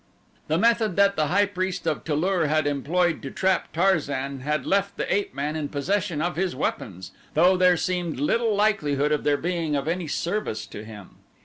The method that the high priest of Tu lur had employed to trap Tarzan had left the ape man in possession of his weapons though there seemed little likelihood of their being of any service to him.